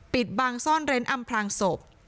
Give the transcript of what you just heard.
ปิดบังซ่อนเร้นอำพลางศพ